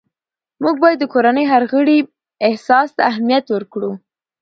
موږ باید د کورنۍ هر غړي احساس ته اهمیت ورکړو